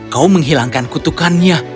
kau menghilangkan kutukannya